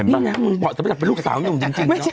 มันเห็นป่ะนะบอกสำหรับเป็นลูกสาวนุ่มจริง